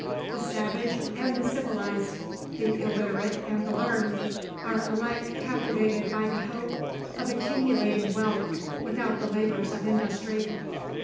The savage and the civilized, the illiterate and the learned, are alike captivated by the hope of accumulating wealth without the labours of industry.